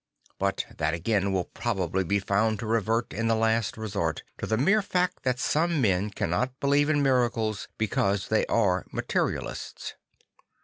But that again will probably be found to revert, in the last resort, to the mere fact that some men cannot believe in miracles because they are materialists.